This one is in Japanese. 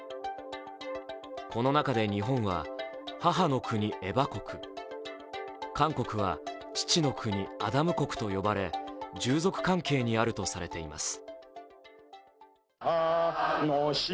この中で日本は母の国・エバ国韓国は父の国・アダム国と呼ばれ従属関係にあるとされています。